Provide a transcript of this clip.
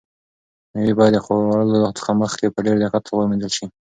مېوې باید د خوړلو څخه مخکې په ډېر دقت سره ومینځل شي.